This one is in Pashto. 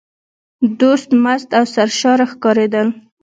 دوی مست او سرشاره ښکارېدل.